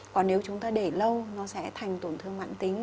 còn nếu chúng ta để lâu nó sẽ thành tổn thương mạng tính